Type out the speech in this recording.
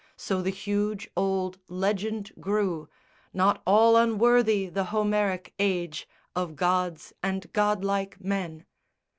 So the huge old legend grew, Not all unworthy the Homeric age Of gods and god like men.